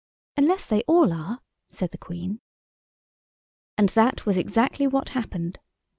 "Unless they all are," said the Queen. And that was exactly what happened.